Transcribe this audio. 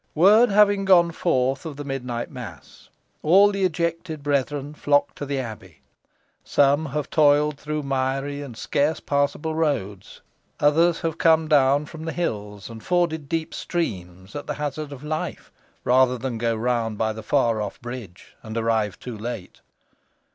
Word having gone forth of the midnight mass, all the ejected brethren flock to the abbey. Some have toiled through miry and scarce passable roads. Others have come down from the hills, and forded deep streams at the hazard of life, rather than go round by the far off bridge, and arrive too late.